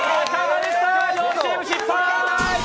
両チーム失敗！